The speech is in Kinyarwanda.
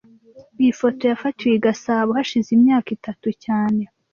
Iyi foto yafatiwe i Gasabo hashize imyaka itatu cyane